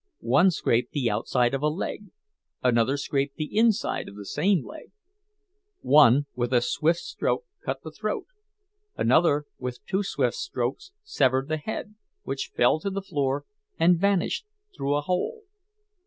One scraped the outside of a leg; another scraped the inside of the same leg. One with a swift stroke cut the throat; another with two swift strokes severed the head, which fell to the floor and vanished through a hole.